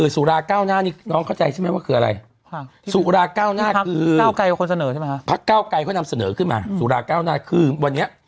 สุราเก้าหน้านี่น้องเข้าใจใช่ไหมว่าคืออะไร